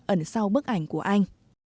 ẩn sau bức ảnh của anh